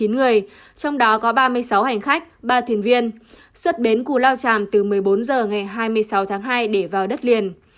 trong đó có ba mươi sáu hành khách ba thuyền viên xuất bến cù lao tràm từ một mươi bốn h ngày hai mươi sáu tháng hai để vào đất liền